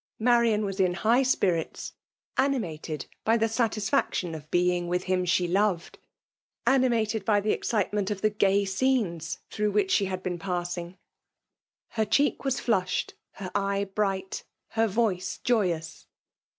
Marian was in high spirits, — animated by the satisfaction of being with him she loved, — animated by the excitement of the gay scenes through which she had been passing. Her 288 FVMALE tX)1lllNATIOK. cheek was flufihed, — her eye bright, — ^her voice joyous.